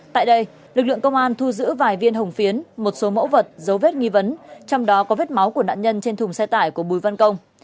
tại đây lực lượng công an thu giữ vài viên hồng phiến một số mẫu vật dấu vết nghi vấn trong đó có vết máu của nạn nhân trên thùng xe tải của bùi văn công